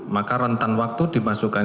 maka rentang waktu dimasukkan